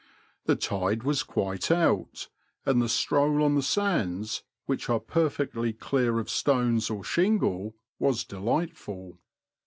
The tide was quite out, and the stroll on the sands, which are perfectly clear of stones or shingle, was delightful.